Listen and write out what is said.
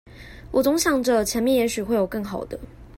我總想著前面也許會有更好的